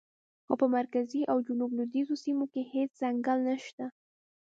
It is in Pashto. خو په مرکزي او جنوب لویدیځو سیمو کې هېڅ ځنګل نشته.